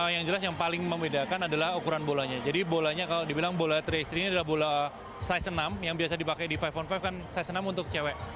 yang jelas yang paling membedakan adalah ukuran bolanya jadi bolanya kalau dibilang bola tiga x tiga ini adalah bola size senam yang biasa dipakai di lima kan saya senam untuk cewek